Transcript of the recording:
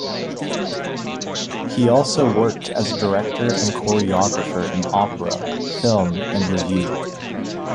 He also worked as a director and choreographer in opera, film and revue.